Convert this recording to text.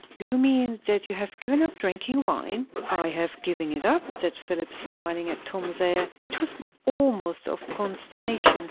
"Do you mean that you have given up drinking wine?" "I have given it up?" said Philip, smiling at Tom's air, which was almost of consternation.